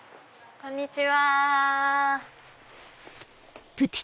こんにちは。